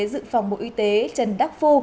dự phòng bộ y tế trần đắc phu